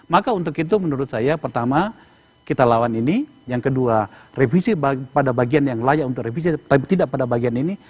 maka untuk itu menurut saya pertama kita lawan ini yang kedua revisi pada bagian yang layak untuk revisi tapi tidak pada bagian ini